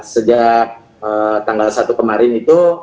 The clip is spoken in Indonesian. sejak tanggal satu kemarin itu